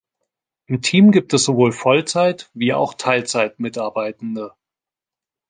Im Team gibt es sowohl Vollzeit- wie auch Teilzeit-Mitarbeitende.